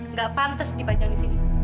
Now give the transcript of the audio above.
nggak pantas dipajang di sini